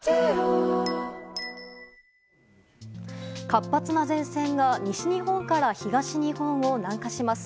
活発な前線が西日本から東日本を南下します。